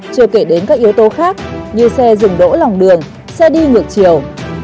chưa kể đến các yếu tố khác như xe dừng đỗ lòng đường xe đi ngược chiều